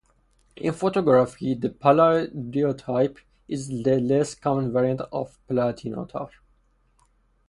In photography, the "palladiotype" is a less-common variant of the platinotype.